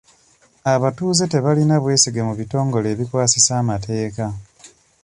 Abatuuze tebalina bwesige mu bitongole ebikwasisa amateeka.